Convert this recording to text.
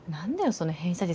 その偏差値